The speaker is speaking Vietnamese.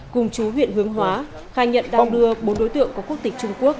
cùng chú huyện hướng hóa khai nhận đang đưa bốn đối tượng có quốc tịch trung quốc